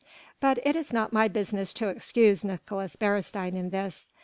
But it is not my business to excuse Nicolaes Beresteyn in this.